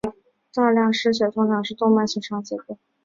大量失血通常是动脉损伤的结果。